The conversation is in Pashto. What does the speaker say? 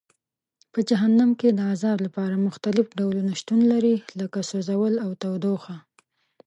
په جهنم کې د عذاب لپاره مختلف ډولونه شتون لري لکه سوځول او تودوخه.